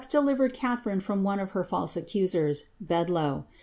delivered Catharine from one of her false accoseiSf Bedloe.